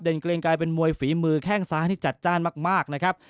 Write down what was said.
เกรงกลายเป็นมวยฝีมือแข้งซ้ายที่จัดจ้านมากนะครับ